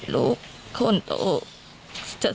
ลูกเรากี่ขวด